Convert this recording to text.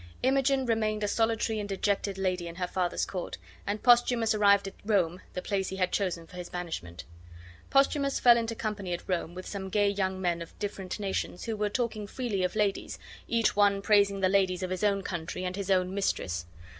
Imogen remained a solitary and dejected lady in her father's court, and Posthumus arrived at Rome, the place he had chosen for his banishment. Posthumus fell into company at Rome with some gay young men of different nations, who were talking freely of ladies, each one praising the ladies of his own country and his own mistress.